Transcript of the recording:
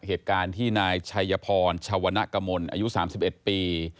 เหตุการณ์ที่นายชัยพรชวนะกมลอายุ๓๑ปี